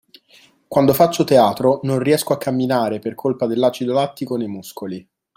Quando faccio teatro non riesco a camminare per colpa dell’acido lattico nei muscoli